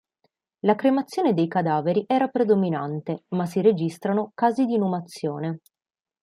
La cremazione dei cadaveri era predominante ma si registrano casi di inumazione.